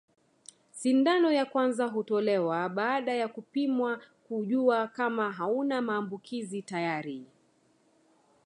Sindano ya kwanza hutolewa baada ya kupimwa kujua kama hauna maambukizi tayari